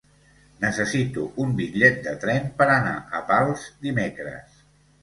Necessito un bitllet de tren per anar a Pals dimecres.